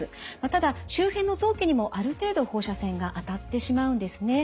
ただ周辺の臓器にもある程度放射線が当たってしまうんですね。